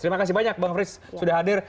terima kasih banyak bang frits sudah hadir